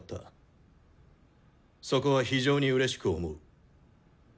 そこは非常にうれしく思う。